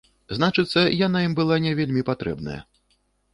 Значыцца, яна ім была не вельмі патрэбная.